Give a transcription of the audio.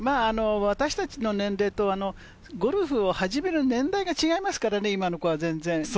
私たちの年齢とゴルフを始める年代が違いますからね、今の子は全然。